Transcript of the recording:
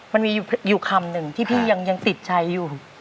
มันมีอยู่คำหนึ่งที่พี่ยังติดใจอยู่